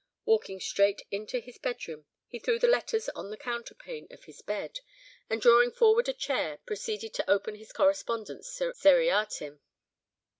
Walking straight into his bedroom, he threw the letters on to the counterpane of his bed, and drawing forward a chair, proceeded to open his correspondence seriatim.